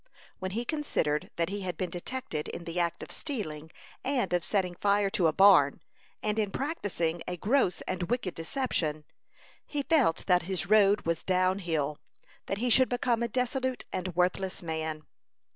When he considered that he had been detected in the act of stealing, and of setting fire to a barn, and in practising a gross and wicked deception, he felt that his road was down hill; that he should become a dissolute and worthless man.